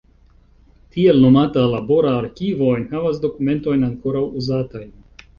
Tiel nomata "labora arkivo" enhavas dokumentojn ankoraŭ uzatajn.